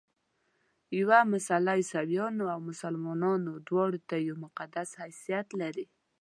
یوه مسله عیسویانو او مسلمانانو دواړو ته یو مقدس حیثیت لري.